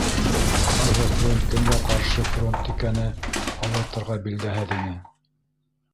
Ҡайһы фронт, кемгә ҡаршы фронт икәне һалдаттарға билдәһеҙ ине.